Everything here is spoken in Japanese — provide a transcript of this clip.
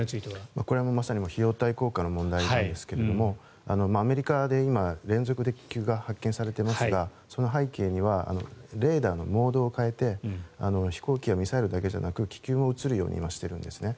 これはまさに費用対効果の問題なんですがアメリカで今連続で気球が発見されていますがその背景にはレーダーのモードを変えて飛行機やミサイルだけじゃなくて気球も映るようにしているんですね。